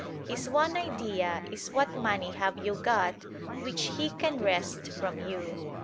His one idea is what money have you got which he can wrest from you.